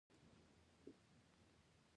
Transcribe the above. ښارونه د دوامداره پرمختګ لپاره اړین بلل کېږي.